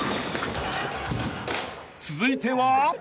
［続いては］